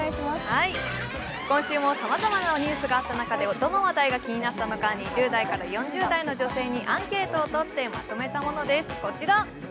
今週もさまざまなニュースがあった中でどの話題が気になったのか２０代から４０代の女性にアンケートをとってまとめたものです。